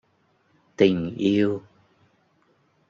tình yêu